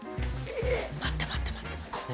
待って待って待って。